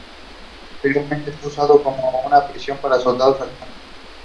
Both prisoners were released in an exchange between the two forces.